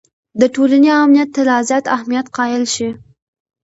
د ټولنې امنیت ته لا زیات اهمیت قایل شي.